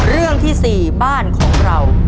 เรื่องที่๔บ้านของเรา